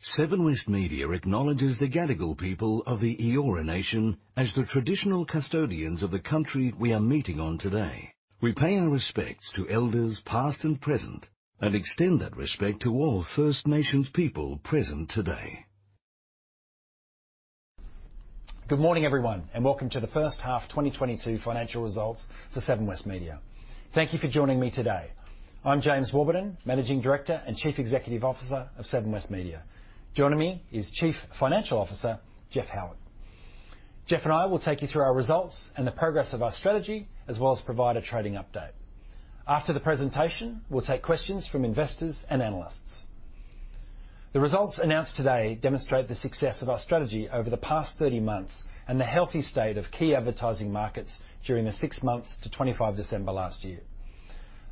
Seven West Media acknowledges the Gadigal people of the Eora Nation as the traditional custodians of the country we are meeting on today. We pay our respects to elders past and present, and extend that respect to all First Nations people present today. Good morning, everyone, and welcome to the first half 2022 financial results for Seven West Media. Thank you for joining me today. I'm James Warburton, Managing Director and Chief Executive Officer of Seven West Media. Joining me is Chief Financial Officer Jeff Howard. Jeff and I will take you through our results and the progress of our strategy, as well as provide a trading update. After the presentation, we'll take questions from investors and analysts. The results announced today demonstrate the success of our strategy over the past 30 months, and the healthy state of key advertising markets during the six months to 25 December last year.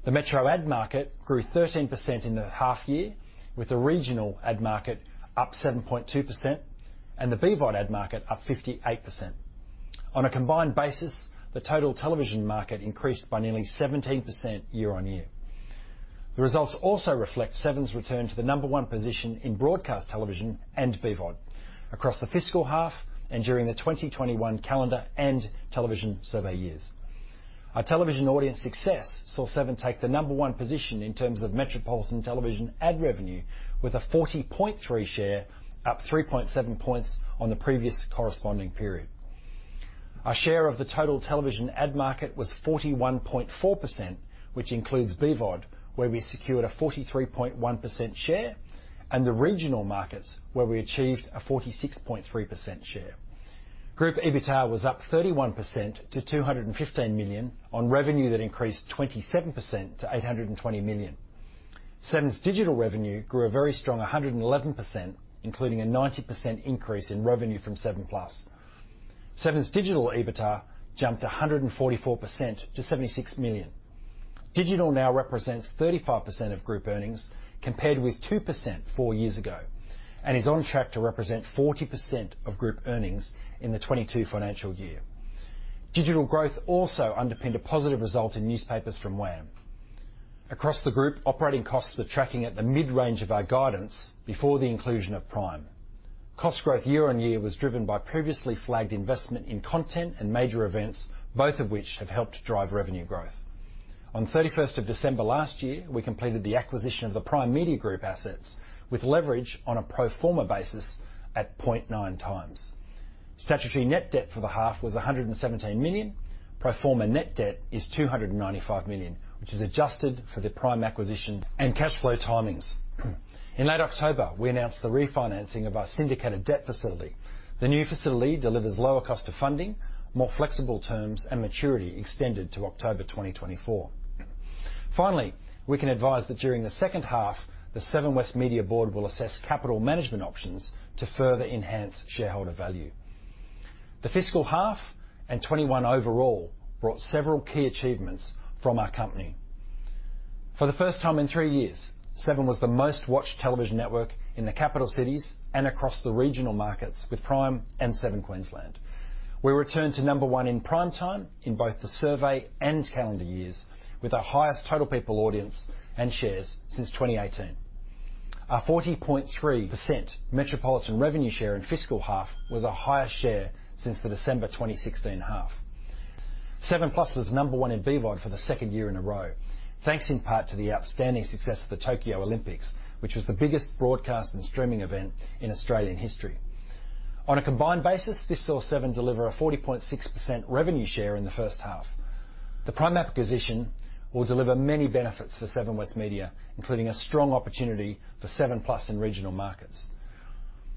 The metro ad market grew 13% in the half year, with the regional ad market up 7.2%, and the BVOD ad market up 58%. On a combined basis, the total television market increased by nearly 17% year-over-year. The results also reflect Seven's return to the number one position in Broadcast Television and BVOD across the fiscal half and during the 2021 calendar and television survey years. Our television audience success saw Seven take the number one position in terms of metropolitan television ad revenue with a 40.3% share, up 3.7 points on the previous corresponding period. Our share of the total television ad market was 41.4%, which includes BVOD, where we secured a 43.1% share, and the regional markets where we achieved a 46.3% share. Group EBITDA was up 31% to 215 million on revenue that increased 27% to 820 million. Seven's Digital revenue grew a very strong 111%, including a 90% increase in revenue from 7plus. Seven's Digital EBITDA jumped 144% to 76 million. Digital now represents 35% of group earnings, compared with 2% four years ago, and is on track to represent 40% of group earnings in the 2022 financial year. Digital growth also underpinned a positive result in newspapers from WA. Across the group, operating costs are tracking at the mid-range of our guidance before the inclusion of Prime. Cost growth year-on-year was driven by previously flagged investment in content and major events, both of which have helped drive revenue growth. On 31st December last year, we completed the acquisition of the Prime Media Group assets with leverage on a pro forma basis at 0.9x. Statutory net debt for the half was 117 million. Pro forma net debt is 295 million, which is adjusted for the Prime acquisition and cash flow timings. In late October, we announced the refinancing of our syndicated debt facility. The new facility delivers lower cost of funding, more flexible terms, and maturity extended to October 2024. Finally, we can advise that during the second half, the Seven West Media board will assess capital management options to further enhance shareholder value. The fiscal half and 2021 overall brought several key achievements from our company. For the first time in three years, Seven was the most watched television network in the capital cities and across the regional markets with Prime and Seven Queensland. We returned to number one in prime time in both the survey and calendar years, with our highest total people audience and shares since 2018. Our 40.3% metropolitan revenue share in fiscal half was our highest share since the December 2016 half. 7plus was number one in BVOD for the second year in a row. Thanks in part to the outstanding success of the Tokyo Olympics, which was the biggest broadcast and streaming event in Australian history. On a combined basis, this saw Seven deliver a 40.6% revenue share in the first half. The Prime acquisition will deliver many benefits for Seven West Media, including a strong opportunity for 7plus in regional markets.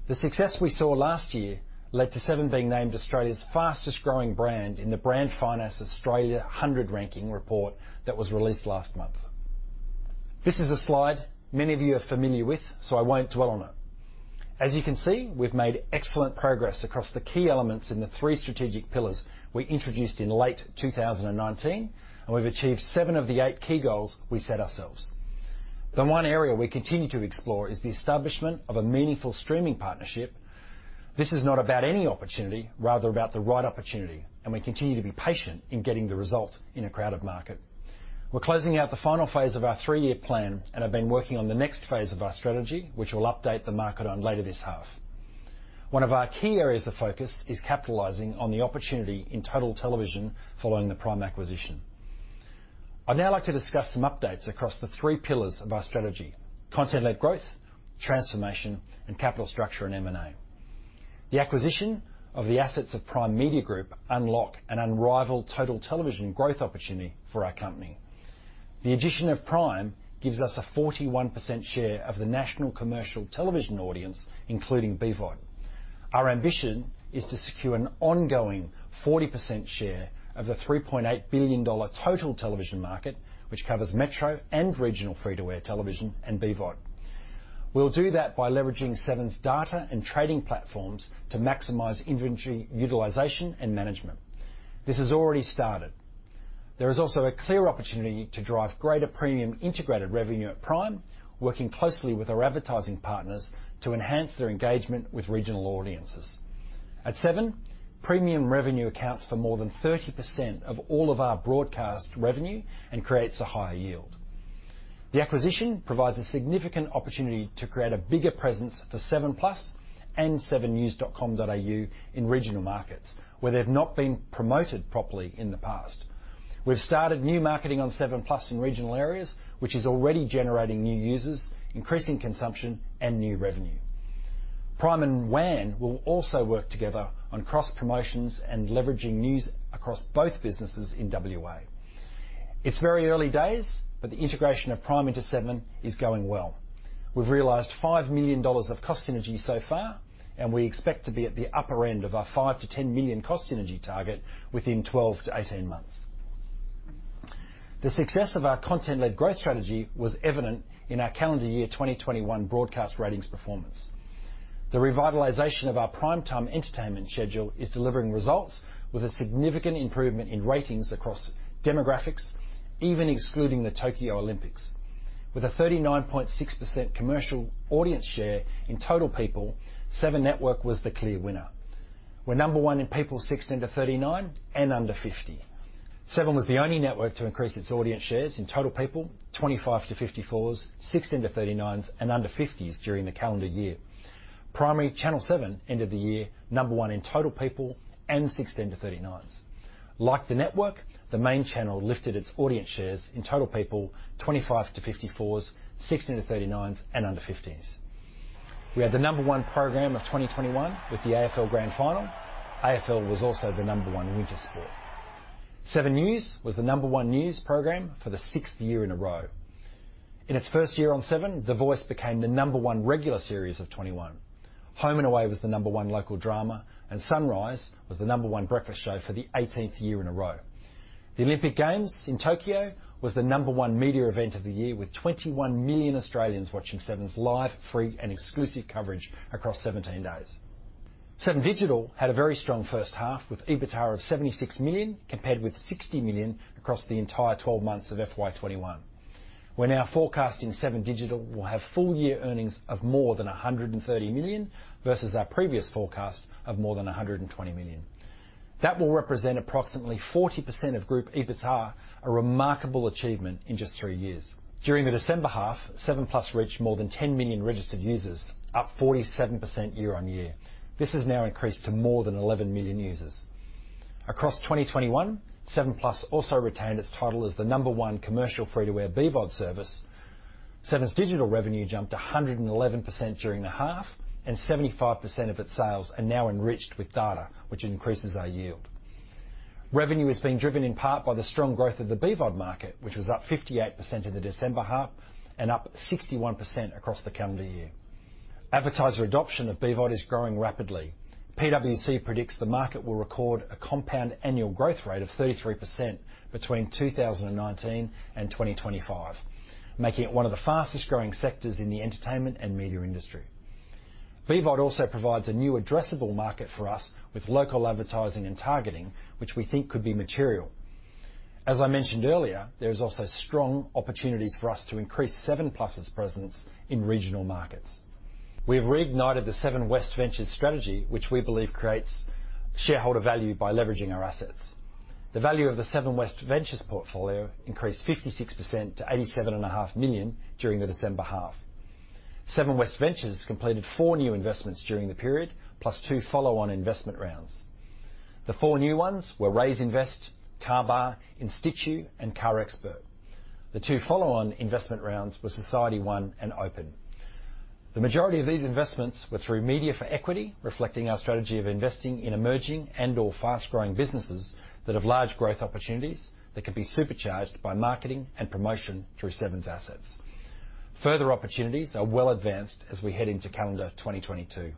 The success we saw last year led to Seven being named Australia's fastest growing brand in the Brand Finance Australia 100 ranking report that was released last month. This is a slide many of you are familiar with, so I won't dwell on it. As you can see, we've made excellent progress across the key elements in the three strategic pillars we introduced in late 2019, and we've achieved seven of the eight key goals we set ourselves. The one area we continue to explore is the establishment of a meaningful streaming partnership. This is not about any opportunity, rather about the right opportunity, and we continue to be patient in getting the result in a crowded market. We're closing out the final phase of our three-year plan and have been working on the next phase of our strategy, which we'll update the market on later this half. One of our key areas of focus is capitalizing on the opportunity in total television following the Prime acquisition. I'd now like to discuss some updates across the three pillars of our strategy, content-led growth, transformation, and capital structure and M&A. The acquisition of the assets of Prime Media Group unlocks an unrivaled total television growth opportunity for our company. The addition of Prime gives us a 41% share of the national commercial television audience, including BVOD. Our ambition is to secure an ongoing 40% share of the 3.8 billion dollar total television market, which covers metro and regional free-to-air television and BVOD. We'll do that by leveraging Seven's data and trading platforms to maximize inventory utilization and management. This has already started. There is also a clear opportunity to drive greater premium integrated revenue at Prime, working closely with our advertising partners to enhance their engagement with regional audiences. At Seven, premium revenue accounts for more than 30% of all of our Broadcast revenue and creates a higher yield. The acquisition provides a significant opportunity to create a bigger presence for 7plus and 7NEWS.com.au in regional markets, where they've not been promoted properly in the past. We've started new marketing on 7plus in regional areas, which is already generating new users, increasing consumption, and new revenue. Prime and WAN will also work together on cross-promotions and leveraging news across both businesses in WA. It's very early days, but the integration of Prime into Seven is going well. We've realized 5 million dollars of cost synergy so far, and we expect to be at the upper end of our 5 million-10 million cost synergy target within 12-18 months. The success of our content-led growth strategy was evident in our calendar year 2021 Broadcast ratings performance. The revitalization of our prime time entertainment schedule is delivering results with a significant improvement in ratings across demographics, even excluding the Tokyo Olympics. With a 39.6% commercial audience share in total people, Seven Network was the clear winner. We're number one in people 16-39 and under 50. Seven was the only network to increase its audience shares in total people, 25-54s, 16-39s, and under 50s during the calendar year. Primary Channel Seven end-of-year number one in total people and 16-39s. Like the network, the main channel lifted its audience shares in total people, 25- to 54s, 16- to 39s, and under 50s. We had the number one program of 2021 with the AFL Grand Final. AFL was also the number one winter sport. 7NEWS was the number one news program for the sixth year in a row. In its first year on Seven, The Voice became the number one regular series of 2021. Home and Away was the number one local drama, and Sunrise was the number one breakfast show for the eighteenth year in a row. The Olympic Games in Tokyo was the number one media event of the year, with 21 million Australians watching Seven's live, free, and exclusive coverage across 17 days. Seven Digital had a very strong first half, with EBITDA of 76 million, compared with 60 million across the entire twelve months of FY 2021. We're now forecasting Seven Digital will have full year earnings of more than 130 million, versus our previous forecast of more than 120 million. That will represent approximately 40% of group EBITDA, a remarkable achievement in just three years. During the December half, 7plus reached more than 10 million registered users, up 47% year-on-year. This has now increased to more than 11 million users. Across 2021, 7plus also retained its title as the number one commercial free-to-air BVOD service. Seven's Digital revenue jumped 111% during the half, and 75% of its sales are now enriched with data which increases our yield. Revenue is being driven in part by the strong growth of the BVOD market, which was up 58% in the December half and up 61% across the calendar year. Advertiser adoption of BVOD is growing rapidly. PwC predicts the market will record a compound annual growth rate of 33% between 2019 and 2025, making it one of the fastest growing sectors in the entertainment and media industry. BVOD also provides a new addressable market for us with local advertising and targeting, which we think could be material. As I mentioned earlier, there is also strong opportunities for us to increase 7plus's presence in regional markets. We have reignited the Seven West Ventures strategy, which we believe creates shareholder value by leveraging our assets. The value of the Seven West Ventures portfolio increased 56% to 87.5 million during the December half. Seven West Ventures completed four new investments during the period, plus two follow-on investment rounds. The four new ones were Raiz Invest, Carbar, InStitchu, and CarExpert. The two follow-on investment rounds were SocietyOne and Open. The majority of these investments were through Media for Equity, reflecting our strategy of investing in emerging and/or fast-growing businesses that have large growth opportunities that can be supercharged by marketing and promotion through Seven's assets. Further opportunities are well advanced as we head into calendar 2022.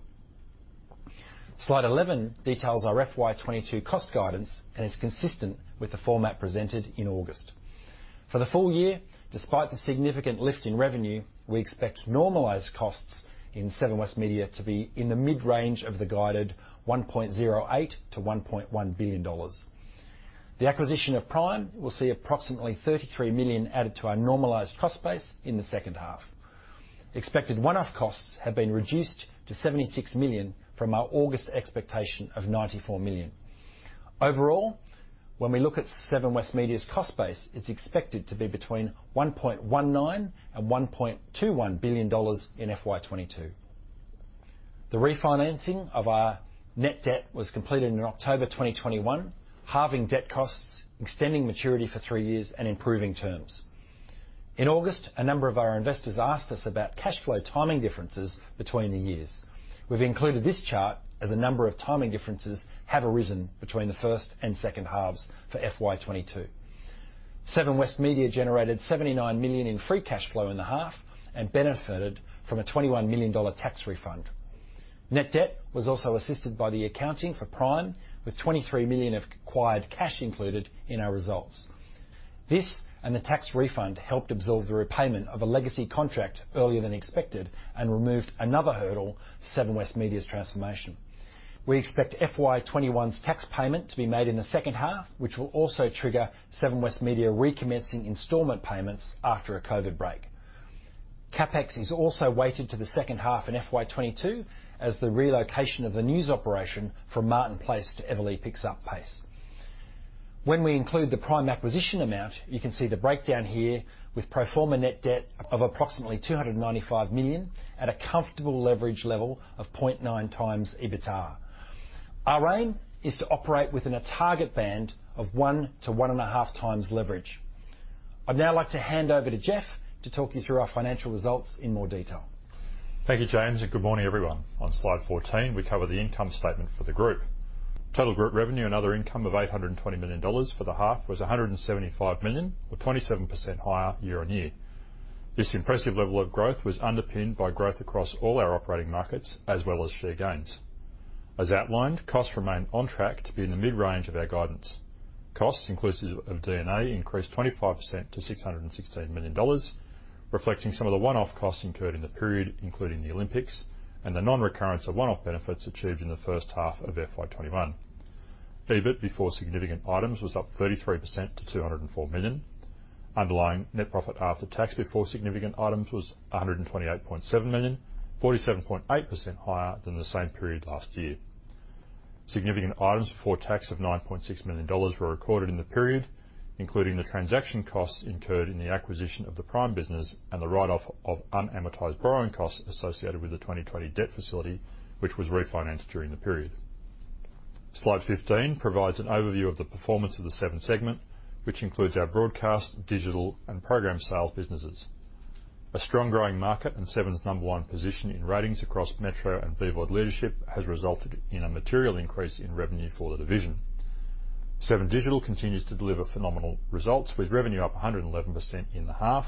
Slide 11 details our FY 2022 cost guidance and is consistent with the format presented in August. For the full year, despite the significant lift in revenue, we expect normalized costs in Seven West Media to be in the mid-range of the guided 1.08 billion-1.1 billion dollars. The acquisition of Prime will see approximately 33 million added to our normalized cost base in the second half. Expected one-off costs have been reduced to 76 million from our August expectation of 94 million. Overall, when we look at Seven West Media's cost base, it's expected to be between 1.19 billion and 1.21 billion dollars in FY 2022. The refinancing of our net debt was completed in October 2021, halving debt costs, extending maturity for three years, and improving terms. In August, a number of our investors asked us about cash flow timing differences between the years. We've included this chart as a number of timing differences have arisen between the first and second halves for FY 2022. Seven West Media generated 79 million in free cash flow in the half and benefited from a 21 million dollar tax refund. Net debt was also assisted by the accounting for Prime, with 23 million of acquired cash included in our results. This and the tax refund helped absorb the repayment of a legacy contract earlier than expected and removed another hurdle for Seven West Media's transformation. We expect FY 2021's tax payment to be made in the second half, which will also trigger Seven West Media recommencing installment payments after a COVID break. CapEx is also weighted to the second half in FY 2022, as the relocation of the news operation from Martin Place to Eveleigh picks up pace. When we include the Prime acquisition amount, you can see the breakdown here with pro forma net debt of approximately 295 million at a comfortable leverage level of 0.9x EBITDA. Our aim is to operate within a target band of 1-1.5x leverage. I'd now like to hand over to Jeff to talk you through our financial results in more detail. Thank you, James, and good morning, everyone. On slide 14, we cover the income statement for the group. Total group revenue and other income of 820 million dollars for the half was 175 million, or 27% higher year-on-year. This impressive level of growth was underpinned by growth across all our operating markets, as well as share gains. As outlined, costs remain on track to be in the mid-range of our guidance. Costs inclusive of D&A increased 25% to 616 million dollars, reflecting some of the one-off costs incurred in the period, including the Olympics and the non-recurrence of one-off benefits achieved in the first half of FY 2021. EBIT before significant items was up 33% to 204 million. Underlying net profit after tax before significant items was 128.7 million, 47.8% higher than the same period last year. Significant items before tax of 9.6 million dollars were recorded in the period, including the transaction costs incurred in the acquisition of the Prime business and the write-off of unamortized borrowing costs associated with the 2020 debt facility, which was refinanced during the period. Slide 15 provides an overview of the performance of the Seven segment, which includes our Broadcast, Digital, and Program Sale businesses. A strong growing market and Seven's number one position in ratings across metro and BVOD leadership has resulted in a material increase in revenue for the division. Seven Digital continues to deliver phenomenal results with revenue up 111% in the half,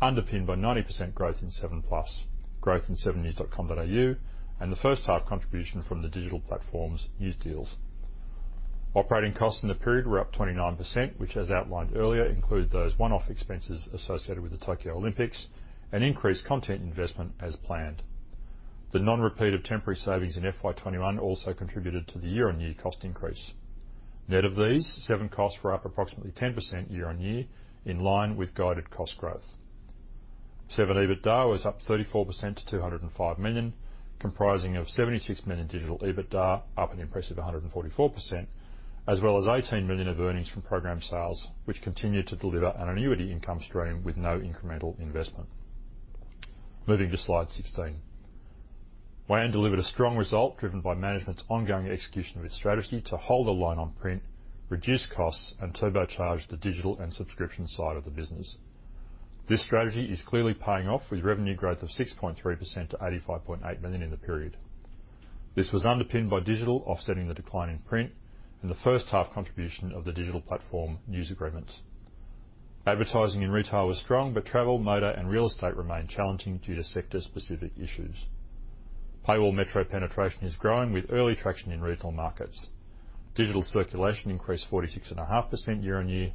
underpinned by 90% growth in 7plus, growth in 7NEWS.com.au, and the first half contribution from the Digital Platform's news deals. Operating costs in the period were up 29%, which as outlined earlier, include those one-off expenses associated with the Tokyo Olympics and increased content investment as planned. The non-repeat of temporary savings in FY 2021 also contributed to the year-on-year cost increase. Net of these, Seven costs were up approximately 10% year on year in line with guided cost growth. Seven EBITDA was up 34% to 205 million, comprising of 76 million Digital EBITDA, up an impressive 144%, as well as 18 million of earnings from Program Sales, which continued to deliver an annuity income stream with no incremental investment. Moving to slide 16. WAN delivered a strong result driven by management's ongoing execution of its strategy to hold the line on print, reduce costs and turbocharge the digital and subscription side of the business. This strategy is clearly paying off with revenue growth of 6.3% to 85.8 million in the period. This was underpinned by Digital offsetting the decline in print and the first half contribution of the Digital Platform news agreements. Advertising in retail was strong, but travel, motor and real estate remained challenging due to sector-specific issues. Paywall metro penetration is growing with early traction in regional markets. Digital circulation increased 46.5% year-on-year.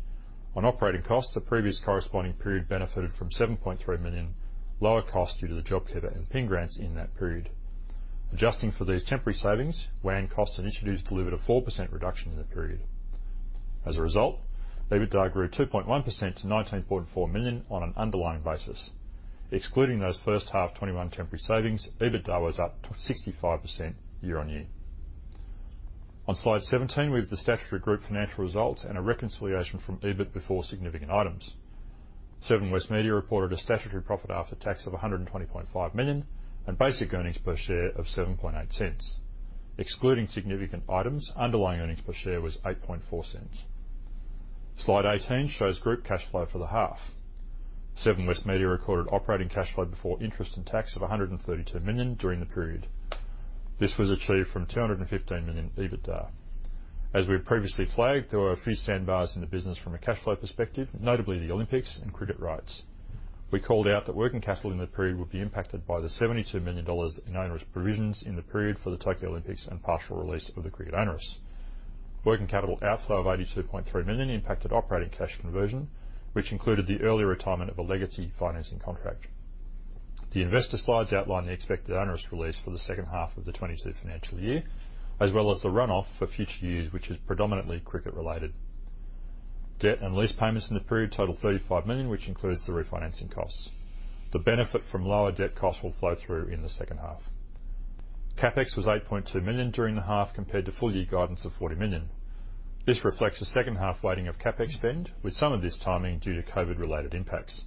On operating costs, the previous corresponding period benefited from 7.3 million lower cost due to the JobKeeper and PING grants in that period. Adjusting for these temporary savings, WAN cost initiatives delivered a 4% reduction in the period. As a result, EBITDA grew 2.1% to 19.4 million on an underlying basis. Excluding those first half 2021 temporary savings, EBITDA was up 65% year-on-year. On slide 17, we have the statutory group financial results and a reconciliation from EBIT before significant items. Seven West Media reported a statutory profit after tax of 120.5 million and basic earnings per share of 7.8 cents. Excluding significant items, underlying earnings per share was 8.4. Slide 18 shows group cash flow for the half. Seven West Media recorded operating cash flow before interest and tax of 132 million during the period. This was achieved from 215 million EBITDA. As we had previously flagged, there were a few sandbars in the business from a cash flow perspective, notably the Olympics and cricket rights. We called out that working capital in the period would be impacted by the 72 million dollars in onerous provisions in the period for the Tokyo Olympics and partial release of the cricket onerous. Working capital outflow of 82.3 million impacted operating cash conversion, which included the early retirement of a legacy financing contract. The investor slides outline the expected onerous release for the second half of the 2022 financial year, as well as the run off for future years, which is predominantly cricket related. Debt and lease payments in the period total 35 million, which includes the refinancing costs. The benefit from lower debt costs will flow through in the second half. CapEx was 8.2 million during the half compared to full year guidance of 40 million. This reflects the second half weighting of CapEx spend with some of this timing due to COVID-related impacts.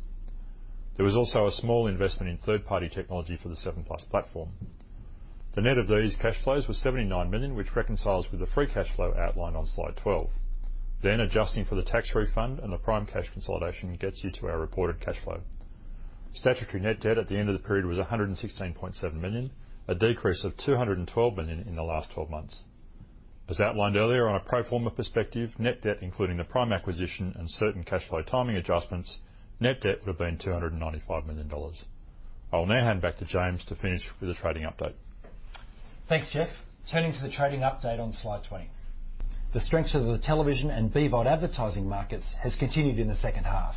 There was also a small investment in third-party technology for the 7plus platform. The net of these cash flows was AUD 79 million, which reconciles with the free cash flow outlined on slide 12. Adjusting for the tax refund and the Prime cash consolidation gets you to our reported cash flow. Statutory net debt at the end of the period was 116.7 million, a decrease of 212 million in the last 12 months. As outlined earlier on a pro forma perspective, net debt, including the Prime acquisition and certain cash flow timing adjustments, net debt would have been AUD 295 million. I will now hand back to James to finish with a trading update. Thanks, Jeff. Turning to the trading update on slide 20. The strength of the television and BVOD advertising markets has continued in the second half.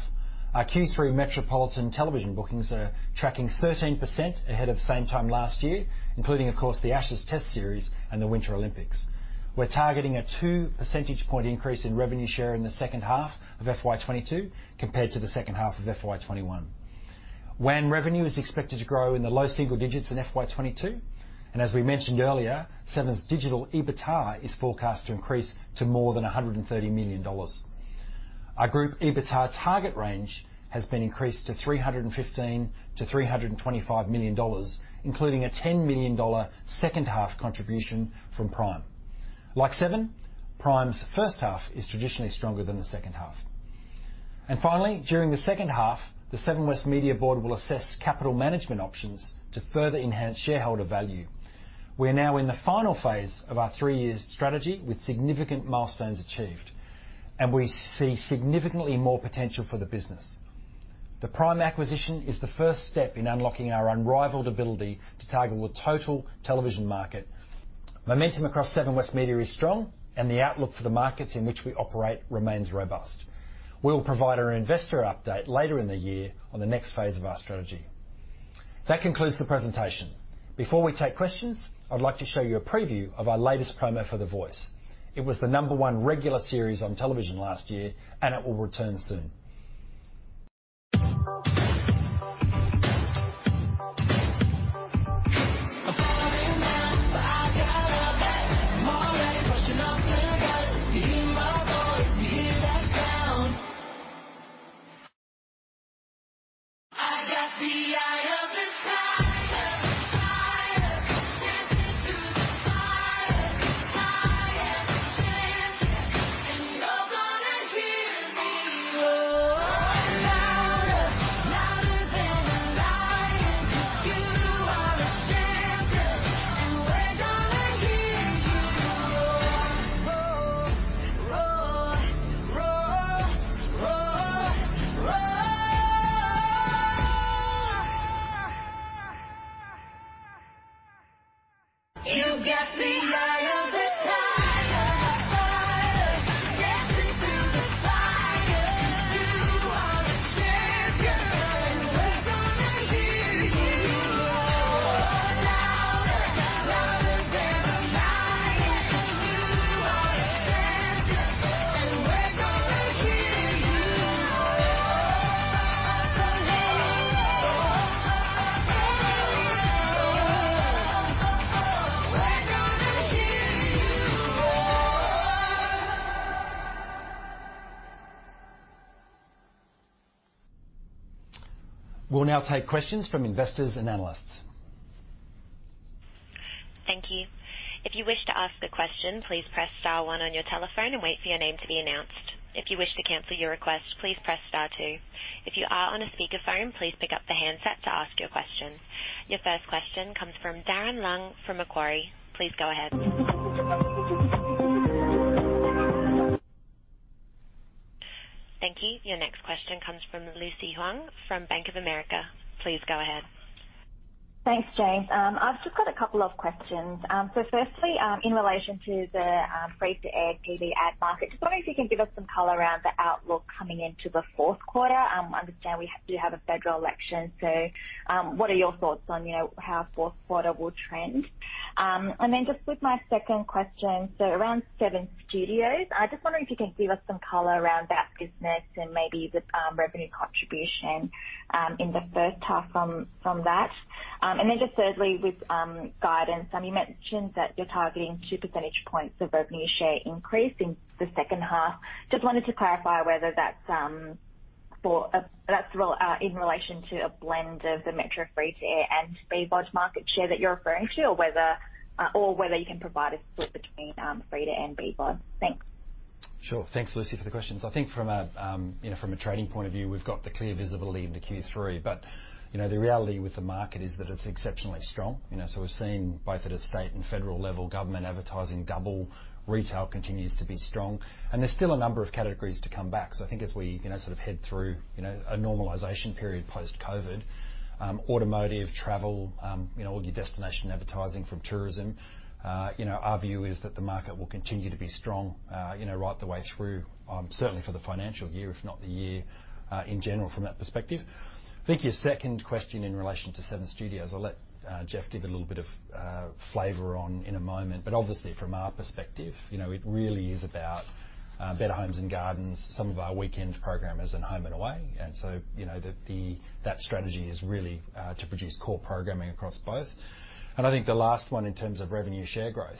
Our Q3 metropolitan television bookings are tracking 13% ahead of same time last year, including, of course, the Ashes Test series and the Winter Olympics. We're targeting a 2 percentage point increase in revenue share in the second half of FY 2022 compared to the second half of FY 2021. WAN revenue is expected to grow in the low single digits in FY 2022. As we mentioned earlier, Seven's Digital EBITDA is forecast to increase to more than 130 million dollars. Our group EBITDA target range has been increased to 315 million-325 million dollars, including a 10 million dollar second half contribution from Prime. Like Seven, Prime's first half is traditionally stronger than the second half. Finally, during the second half, the Seven West Media board will assess capital management options to further enhance shareholder value. We are now in the final phase of our three-year strategy with significant milestones achieved, and we see significantly more potential for the business. The Prime acquisition is the first step in unlocking our unrivaled ability to target the total television market. Momentum across Seven West Media is strong, and the outlook for the markets in which we operate remains robust. We'll provide our investor update later in the year on the next phase of our strategy. That concludes the presentation. Before we take questions, I would like to show you a preview of our latest promo for The Voice. It was the number one regular series on television last year, and it will return soon. We'll now take questions from investors and analysts. Your first question comes from Darren Leung from Macquarie. Please go ahead. Thank you. Your next question comes from Lucy Huang from Bank of America. Please go ahead. Thanks, James. I've just got a couple of questions. Firstly, in relation to the free-to-air TV ad market, just wondering if you can give us some color around the outlook coming into the fourth quarter. Understand we do have a federal election, so what are your thoughts on, you know, how fourth quarter will trend? Then just with my second question, around Seven Studios, I just wonder if you can give us some color around that business and maybe the revenue contribution in the first half from that. Then just thirdly, with guidance. You mentioned that you're targeting 2 percentage points of revenue share increase in the second half. Just wanted to clarify whether that's for, that's in relation to a blend of the metro free-to-air and BVOD market share that you're referring to, or whether you can provide a split between free-to and BVOD? Thanks. Sure. Thanks, Lucy, for the questions. I think from a trading point of view, we've got the clear visibility into Q3. The reality with the market is that it's exceptionally strong, you know. We're seeing both at a state and federal level, government advertising double. Retail continues to be strong, and there's still a number of categories to come back. I think as we you know sort of head through you know a normalization period post-COVID, automotive, travel you know all your destination advertising from tourism, our view is that the market will continue to be strong you know right the way through certainly for the financial year, if not the year in general from that perspective. I think your second question in relation to Seven Studios. I'll let Jeff give a little bit of flavor on in a moment. Obviously from our perspective, you know, it really is about Better Homes and Gardens, some of our weekend programmers, and Home and Away. You know, that strategy is really to produce core programming across both. I think the last one in terms of revenue share growth.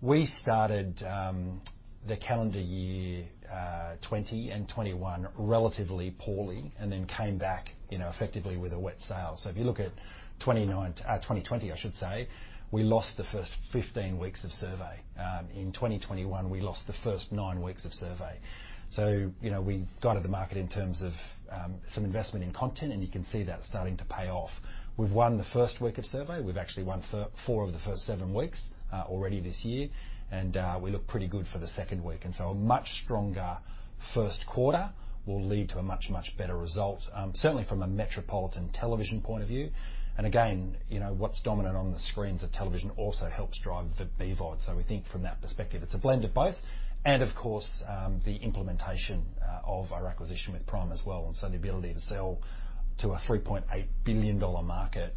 We started the calendar year 2020 and 2021 relatively poorly and then came back, you know, effectively with a wet sail. If you look at 2020, I should say, we lost the first 15 weeks of survey. In 2021, we lost the first nine weeks of survey. You know, we got to the market in terms of some investment in content, and you can see that starting to pay off. We've won the first week of survey. We've actually won three or four of the first seven weeks already this year. We look pretty good for the second week. A much stronger first quarter will lead to a much, much better result certainly from a metropolitan television point of view. Again, you know, what's dominant on the screens of television also helps drive the BVOD. We think from that perspective, it's a blend of both and of course the implementation of our acquisition with Prime as well. The ability to sell to a 3.8 billion dollar market.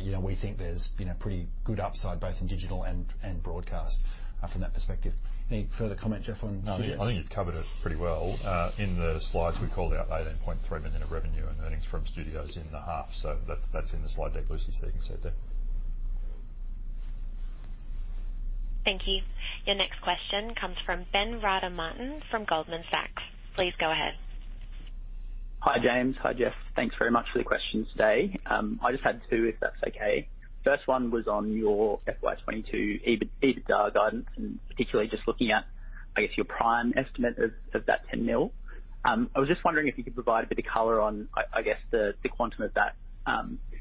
You know, we think there's, you know, pretty good upside, both in Digital and Broadcast, from that perspective. Any further comment, Jeff, on studios? No, I think you've covered it pretty well. In the slides, we called out 18.3 million of revenue and earnings from studios in the half. That's in the slide deck, Lucy, so you can see it there. Thank you. Your next question comes from Ben Rada Martin from Goldman Sachs. Please go ahead. Hi, James. Hi, Jeff. Thanks very much for the questions today. I just had two, if that's okay. First one was on your FY 2022 EBITDA guidance, and particularly just looking at, I guess, your Prime estimate of that 10 million. I was just wondering if you could provide a bit of color on, I guess, the quantum of that.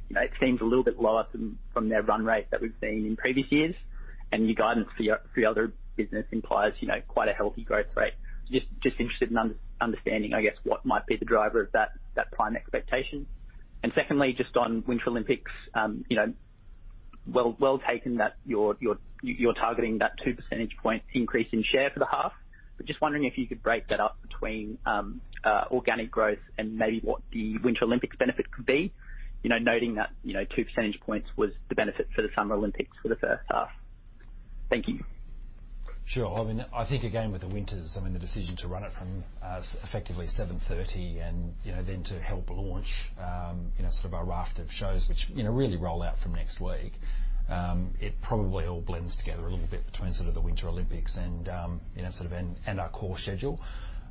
You know, it seems a little bit lower from their run rate that we've seen in previous years, and your guidance for your other business implies, you know, quite a healthy growth rate. Just interested in understanding, I guess, what might be the driver of that Prime expectation. Secondly, just on Winter Olympics, you know, well taken that you're targeting that 2 percentage point increase in share for the half. Just wondering if you could break that up between, organic growth and maybe what the Winter Olympics benefit could be? You know, noting that, you know, 2 percentage points was the benefit for the Summer Olympics for the first half. Thank you. Sure. I mean, I think again, with the Winter Olympics, I mean, the decision to run it from effectively 7:30 and, you know, then to help launch, you know, sort of our raft of shows, which, you know, really roll out from next week, it probably all blends together a little bit between sort of the Winter Olympics and, you know, sort of and our core schedule.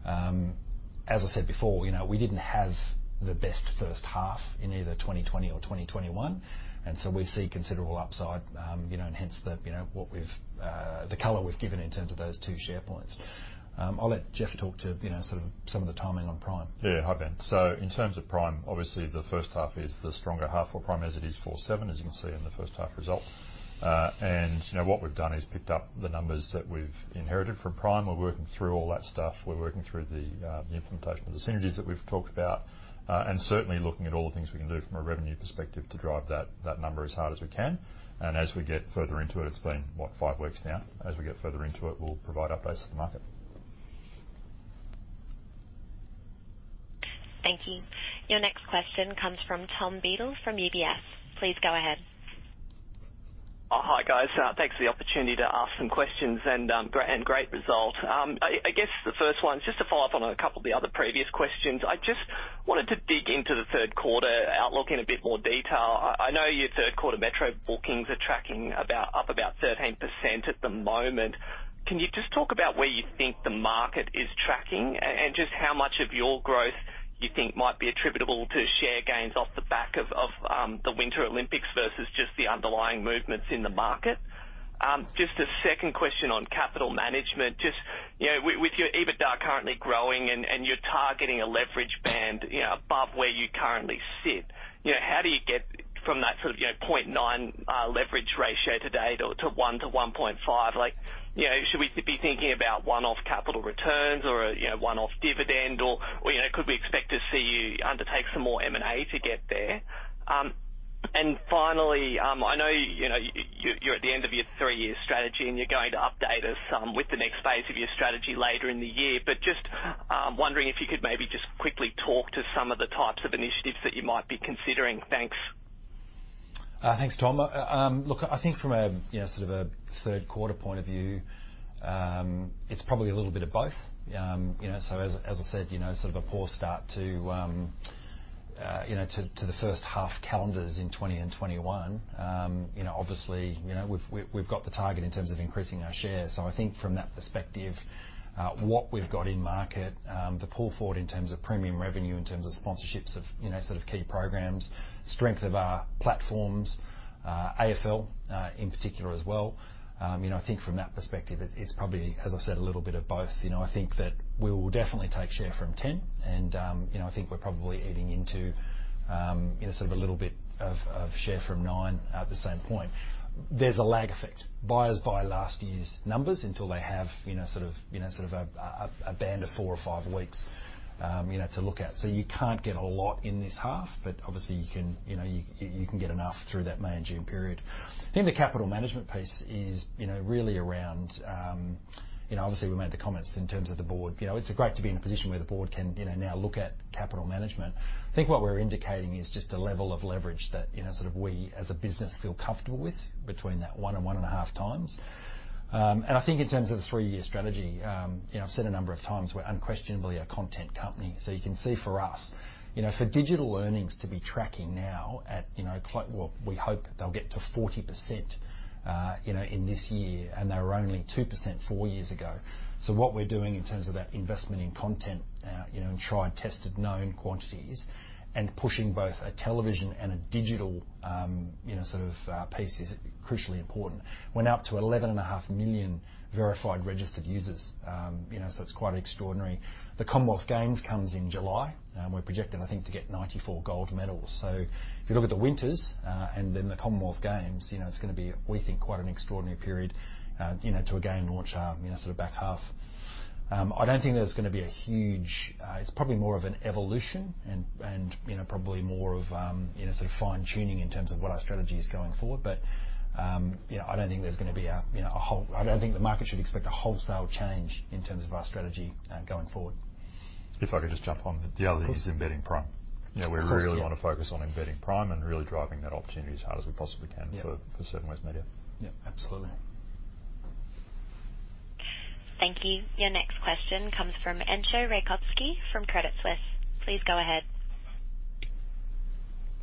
As I said before, you know, we didn't have the best first half in either 2020 or 2021, and so we see considerable upside, you know, and hence the, you know, what we've, the color we've given in terms of those 2 share points. I'll let Jeff talk to, you know, sort of some of the timing on Prime. Yeah. Hi, Ben. In terms of Prime, obviously the first half is the stronger half for Prime as it is for Seven, as you can see in the first half results. You know, what we've done is picked up the numbers that we've inherited from Prime. We're working through all that stuff. We're working through the implementation of the synergies that we've talked about, and certainly looking at all the things we can do from a revenue perspective to drive that number as hard as we can. As we get further into it's been what? Five weeks now. As we get further into it, we'll provide updates to the market. Thank you. Your next question comes from Tom Beadle from UBS. Please go ahead. Oh, hi, guys. Thanks for the opportunity to ask some questions, and great result. I guess the first one, just to follow up on a couple of the other previous questions, I just wanted to dig into the third quarter outlook in a bit more detail. I know your third quarter metro bookings are tracking about 13% up at the moment. Can you just talk about where you think the market is tracking and just how much of your growth you think might be attributable to share gains off the back of the Winter Olympics versus just the underlying movements in the market? Just a second question on capital management. Just, you know, with your EBITDA currently growing and you're targeting a leverage band, you know, above where you currently sit, you know, how do you get from that sort of, you know, 0.9 leverage ratio today to 1-1.5? Like, you know, should we be thinking about one-off capital returns or a, you know, one-off dividend or, you know, could we expect to see you undertake some more M&A to get there? And finally, I know, you know, you're at the end of your three-year strategy, and you're going to update us soon with the next phase of your strategy later in the year, but just wondering if you could maybe just quickly talk to some of the types of initiatives that you might be considering. Thanks. Thanks, Tom. Look, I think from a you know sort of a third quarter point of view, it's probably a little bit of both. You know, as I said, you know, sort of a poor start to the first half calendars in 2020 and 2021. You know, obviously, we've got the target in terms of increasing our shares. I think from that perspective, what we've got in market, the pull forward in terms of premium revenue, in terms of sponsorships of you know sort of key programs, strength of our platforms, AFL in particular as well, you know, I think from that perspective, it's probably, as I said, a little bit of both. You know, I think that we will definitely take share from Ten, and you know, I think we're probably eating into you know, sort of a little bit of share from Nine at the same point. There's a lag effect. Buyers buy last year's numbers until they have you know, sort of a band of four or five weeks you know, to look at. So you can't get a lot in this half, but obviously you can you can get enough through that May and June period. I think the capital management piece is you know, really around. You know, obviously, we made the comments in terms of the board. You know, it's great to be in a position where the board can you know, now look at capital management. I think what we're indicating is just a level of leverage that, you know, sort of we as a business feel comfortable with between that 1 and 1.5x. I think in terms of the three-year strategy, you know, I've said a number of times, we're unquestionably a content company. You can see for us, you know, for Digital earnings to be tracking now at, you know, we hope that they'll get to 40%, you know, in this year, and they were only 2% four years ago. What we're doing in terms of that investment in content, you know, in tried, tested, known quantities and pushing both a television and a digital, you know, sort of, piece is crucially important. We're now up to 11.5 million verified registered users, you know, so it's quite extraordinary. The Commonwealth Games comes in July. We're projecting, I think, to get 94 gold medals. If you look at the Winter Olympics and then the Commonwealth Games, you know, it's gonna be, we think, quite an extraordinary period, you know, to again launch our, you know, sort of back half. It's probably more of an evolution and, you know, probably more of, you know, sort of fine-tuning in terms of what our strategy is going forward. I don't think the market should expect a wholesale change in terms of our strategy going forward. If I could just jump on the- Of course. -the other is embedding Prime. Of course, yeah. You know, we really want to focus on embedding Prime and really driving that opportunity as hard as we possibly can. Yeah. for Seven West Media. Yeah, absolutely. Thank you. Your next question comes from Entcho Raykovski from Credit Suisse. Please go ahead.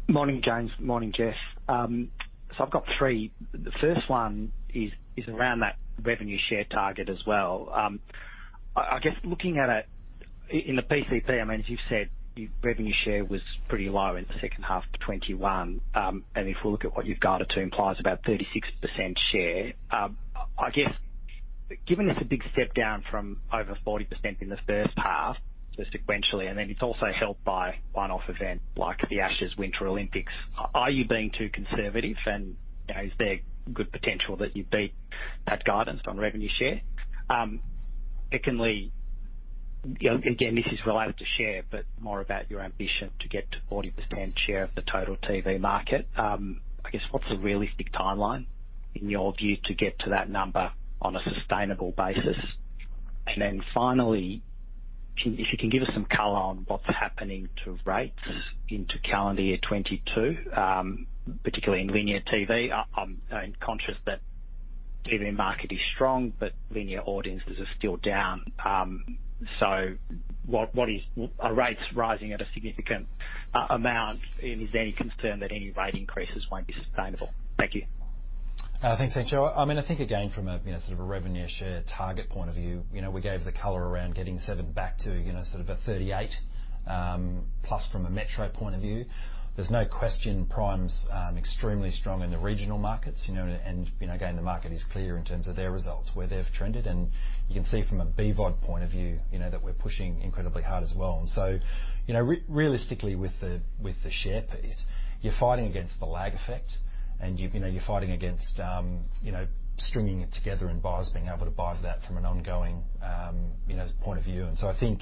Morning, James. Morning, Jeff. So I've got three. The first one is around that revenue share target as well. I guess looking at it in the PCP, I mean, as you've said, your revenue share was pretty low in the second half of 2021. If we look at what you've guided to implies about 36% share. I guess, given it's a big step down from over 40% in the first half, so sequentially, and then it's also helped by one-off events like the Ashes, Winter Olympics, are you being too conservative and, you know, is there good potential that you beat that guidance on revenue share? Secondly, you know, again, this is related to share, but more about your ambition to get to 40% share of the total TV market. I guess, what's a realistic timeline, in your view, to get to that number on a sustainable basis? Then finally, if you can give us some color on what's happening to rates into calendar year 2022, particularly in linear TV. I'm you know, conscious that TV market is strong, but linear audiences are still down. So what is... Are rates rising at a significant amount, and is there any concern that any rate increases won't be sustainable? Thank you. Thanks, Entcho. I mean, I think again from a you know sort of a revenue share target point of view, you know, we gave the color around getting Seven back to, you know, sort of a 38+ from a metro point of view. There's no question Prime's extremely strong in the regional markets, you know, and, you know, again, the market is clear in terms of their results, where they've trended. You can see from a BVOD point of view, you know, that we're pushing incredibly hard as well. You know, realistically with the share piece, you're fighting against the lag effect, and you're fighting against, you know, stringing it together and buyers being able to buy that from an ongoing, you know, point of view. I think,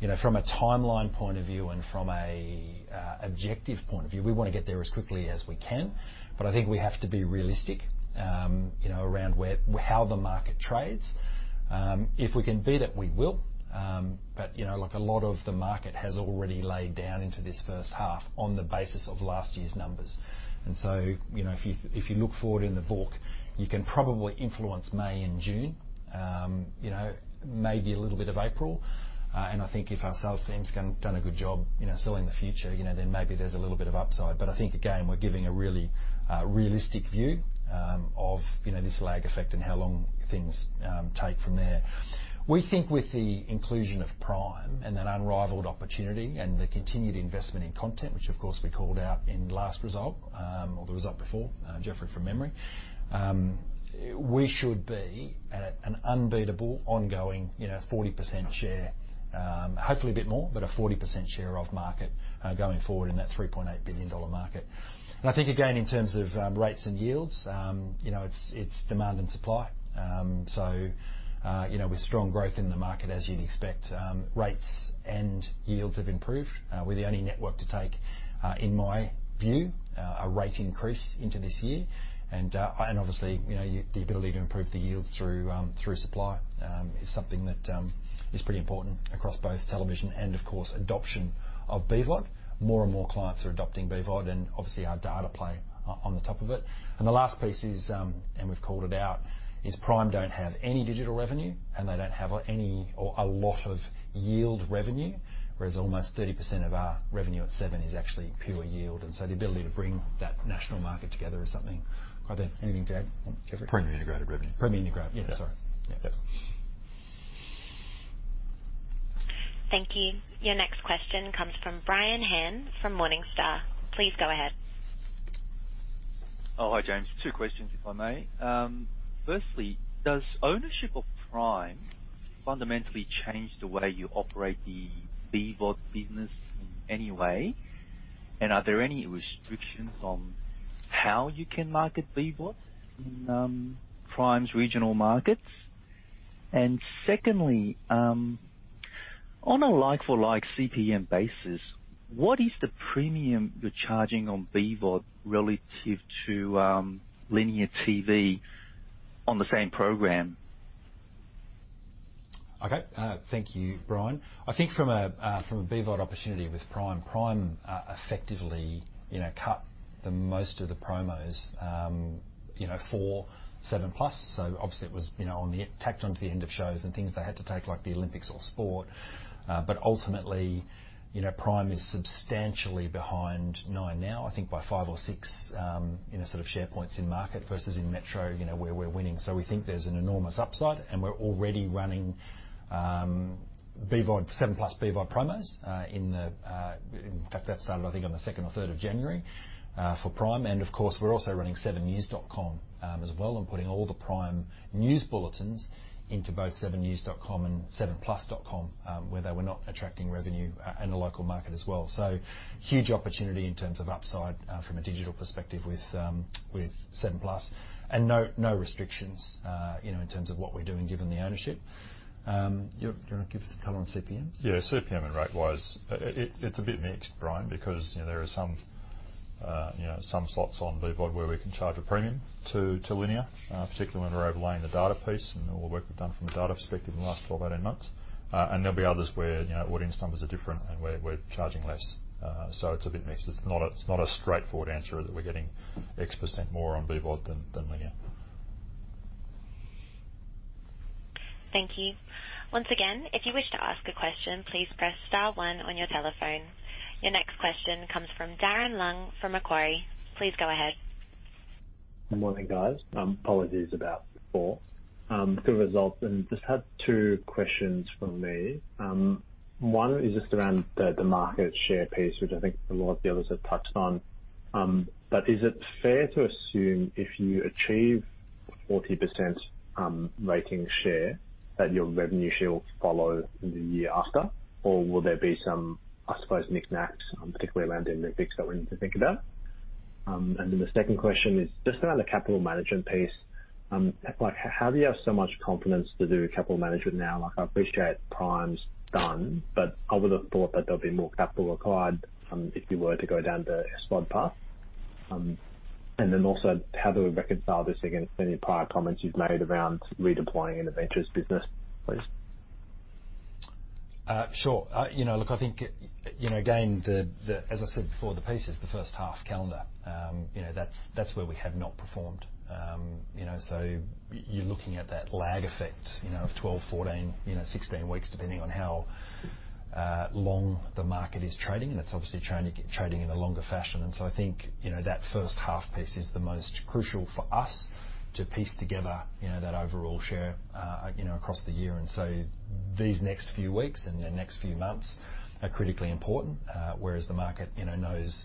you know, from a timeline point of view and from a objective point of view, we wanna get there as quickly as we can. I think we have to be realistic, you know, around where how the market trades. If we can beat it, we will. You know, like a lot of the market has already laid down into this first half on the basis of last year's numbers. You know, if you look forward in the book, you can probably influence May and June, you know, maybe a little bit of April. I think if our sales team's done a good job, you know, selling the future, you know, then maybe there's a little bit of upside. I think again, we're giving a really realistic view of you know this lag effect and how long things take from there. We think with the inclusion of Prime and that unrivaled opportunity and the continued investment in content, which of course we called out in last result or the result before, Jeff, from memory, we should be at an unbeatable ongoing you know 40% share. Hopefully a bit more, but a 40% share of market going forward in that 3.8 billion dollar market. I think again, in terms of rates and yields you know it's demand and supply. So you know with strong growth in the market, as you'd expect, rates and yields have improved. We're the only network to take, in my view, a rate increase into this year. Obviously, you know, the ability to improve the yields through supply is something that is pretty important across both television and, of course, adoption of BVOD. More and more clients are adopting BVOD and obviously our data play on top of it. The last piece is, and we've called it out, is Prime don't have any Digital revenue, and they don't have any or a lot of yield revenue, whereas almost 30% of our revenue at Seven is actually pure yield. The ability to bring that national market together is something. Anything to add, Jeff? Premium integrated revenue. Premium integrated. Yeah. Yeah, sorry. Yeah. Yep. Thank you. Your next question comes from Brian Han from Morningstar. Please go ahead. Oh, hi, James. Two questions, if I may. Firstly, does ownership of Prime fundamentally change the way you operate the BVOD business in any way? And are there any restrictions on how you can market BVOD, Prime's regional markets? And secondly, on a like-for-like CPM basis, what is the premium you're charging on BVOD relative to linear TV on the same program? Okay. Thank you, Brian. I think from a BVOD opportunity with Prime, effectively, you know, cut the most of the promos, you know, for 7plus. Obviously it was, you know, on, tacked onto the end of shows and things they had to take, like the Olympics or sport. Ultimately, you know, Prime is substantially behind Nine now, I think by five or six, you know, sort of share points in market versus in metro, you know, where we're winning. We think there's an enormous upside, and we're already running BVOD, 7plus BVOD promos. In fact, that started, I think, on the second or third of January for Prime. Of course, we're also running 7NEWS.com.au as well and putting all the Prime news bulletins into both 7NEWS.com.au and 7plus.com, where they were not attracting revenue in the local market as well. Huge opportunity in terms of upside from a Digital perspective with 7plus. No restrictions, you know, in terms of what we're doing given the ownership. You wanna give us a color on CPMs? Yeah. CPM and rate-wise, it's a bit mixed, Brian, because, you know, there are some, you know, some slots on BVOD where we can charge a premium to linear, particularly when we're overlaying the data piece and all the work we've done from a data perspective in the last 12, 18 months. And there'll be others where, you know, audience numbers are different and we're charging less. It's a bit mixed. It's not a straightforward answer that we're getting X percent more on BVOD than linear. Thank you. Once again, if you wish to ask a question, please press star one on your telephone. Your next question comes from Darren Leung from Macquarie. Please go ahead. Good morning, guys. Apologies about before. Good results, just had two questions from me. One is just around the market share piece, which I think a lot of the others have touched on. Is it fair to assume if you achieve 40% rating share, that your revenue share will follow the year after? Or will there be some, I suppose, knick-knacks, particularly around the Olympics that we need to think about? The second question is just around the capital management piece. Like, how do you have so much confidence to do capital management now? Like, I appreciate Prime's done, but I would've thought that there'll be more capital required, if you were to go down the SVOD path. How do we reconcile this against any prior comments you've made around redeploying in the ventures business, please? Sure. You know, look, I think, you know, again, as I said before, the piece is the first half calendar. You know, that's where we have not performed. You know, so you're looking at that lag effect, you know, of 12, 14, 16 weeks, depending on how long the market is trading, and it's obviously trying to get trading in a longer fashion. I think that first half piece is the most crucial for us to piece together, you know, that overall share, you know, across the year. These next few weeks and the next few months are critically important. Whereas the market knows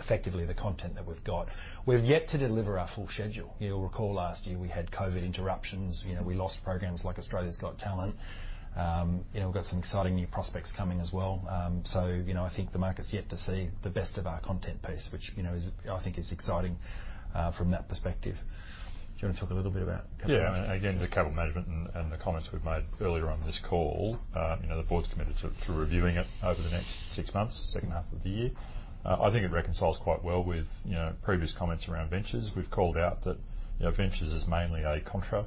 effectively the content that we've got. We've yet to deliver our full schedule. You'll recall last year we had COVID interruptions. You know, we lost programs like Australia's Got Talent. You know, we've got some exciting new prospects coming as well. You know, I think the market's yet to see the best of our content piece, which you know is, I think, exciting from that perspective. Do you wanna talk a little bit about capital management? Yeah. Again, the capital management and the comments we've made earlier on this call, you know, the board's committed to reviewing it over the next six months, second half of the year. I think it reconciles quite well with, you know, previous comments around ventures. We've called out that, you know, ventures is mainly a contra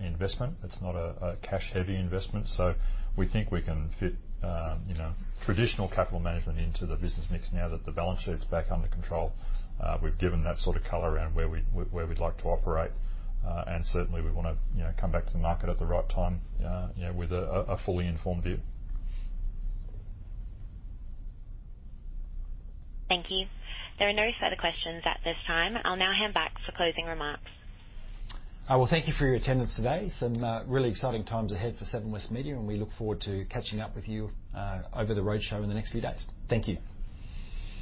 investment. It's not a cash-heavy investment. So we think we can fit, you know, traditional capital management into the business mix now that the balance sheet's back under control. We've given that sort of color around where we'd like to operate. Certainly we wanna, you know, come back to the market at the right time, you know, with a fully informed view. Thank you. There are no further questions at this time. I'll now hand back for closing remarks. Well, thank you for your attendance today. Some really exciting times ahead for Seven West Media, and we look forward to catching up with you over the roadshow in the next few days. Thank you.